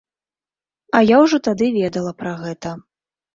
А я ўжо тады ведала пра гэта.